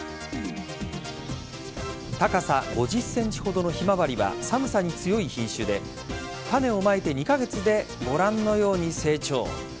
高さ５０ｃｍほどのひまわりは寒さに強い品種で種をまいて２カ月でご覧のように成長。